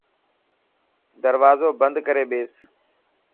دروازو بند ڪري ٻيس.